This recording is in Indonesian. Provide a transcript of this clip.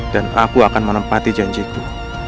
aku akan menempati janjiku